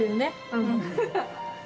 うん。